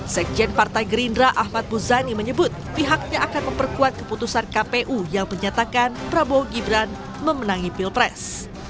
sekjen partai gerindra ahmad muzani menyebut pihaknya akan memperkuat keputusan kpu yang menyatakan prabowo gibran memenangi pilpres